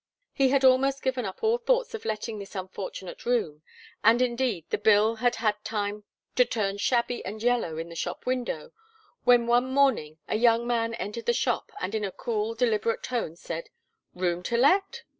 He had almost given up all thoughts of letting this unfortunate room, and indeed the bill had had time to turn shabby and yellow in the shop window, when one morning a young man entered the shop and in a cool deliberate tone said: "Room to let?"